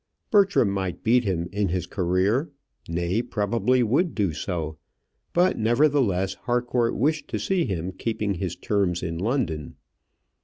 Bertram might beat him in his career; nay, probably would do so; but, nevertheless, Harcourt wished to see him keeping his terms in London.